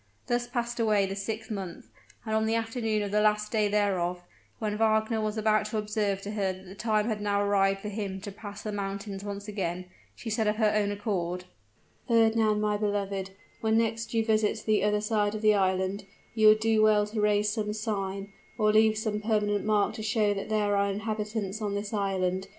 Thus passed away the sixth month; and on the afternoon of the last day thereof, when Wagner was about to observe to her that the time had now arrived for him to pass the mountains once again, she said of her own accord, "Fernand, my beloved, when next you visit the other side of the island, you would do well to raise some sign, or leave some permanent mark to show that there are inhabitants on this island.